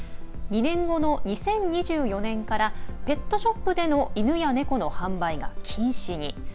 ２年後の２０２４年からペットショップでの犬や猫の販売が禁止に。